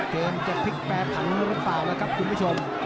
เกมจะพลิกแปรผันหรือเปล่าล่ะครับคุณผู้ชม